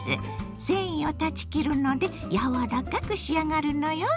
繊維を断ち切るので柔らかく仕上がるのよ。